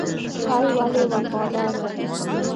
سپی ولې وفادار دی؟